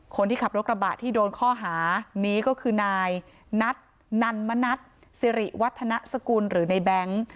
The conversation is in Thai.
คนที่ขับรถกระบะที่โดนข้อหานี้ก็คือนายนัทนันมณัฐสิริวัฒนสกุลหรือในแบงค์